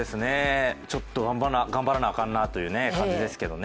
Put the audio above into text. ちょっと頑張らなあかんなという感じですけどね。